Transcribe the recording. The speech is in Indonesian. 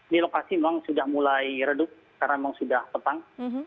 di lokasi memang sudah mulai redup karena memang sudah petang